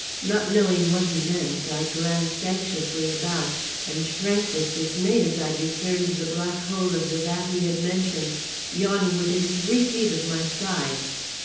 Not knowing what he meant, I glanced anxiously about, and shrank with dismay as I discerned the black hole of the vat he had mentioned, yawning within three feet of my side.